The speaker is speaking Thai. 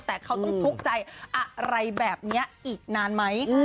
แต่เขาต้องทุกข์ใจอะไรแบบนี้อีกนานไหม